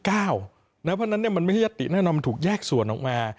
เพราะฉะนั้นมันไม่ใช่ยัตติแน่นอนมันถูกแยกส่วนออกมา